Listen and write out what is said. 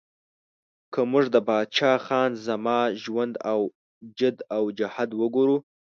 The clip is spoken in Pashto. که موږ د پاچا خان زما ژوند او جد او جهد وګورو